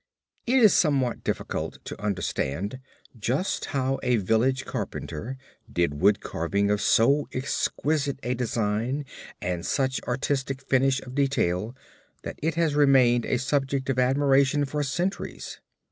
It is somewhat difficult to understand just how a village carpenter did wood carving of so exquisite a design and such artistic finish of detail that it has remained a subject of admiration for centuries.